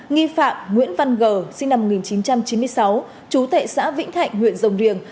nghi phạm nguyễn văn g sinh năm một nghìn chín trăm chín mươi sáu chú tệ xã vĩnh thạnh huyện rồng riềng